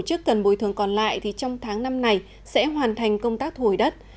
các tổ chức cần bồi thường còn lại trong tháng năm này sẽ hoàn thành công tác thu hồi đất